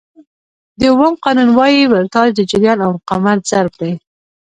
د اوم قانون وایي ولټاژ د جریان او مقاومت ضرب دی.